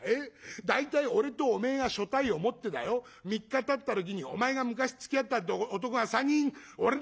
大体俺とおめえが所帯を持ってだよ３日たった時にお前が昔つきあったって男が３人俺のとこ訪ねてきたろ。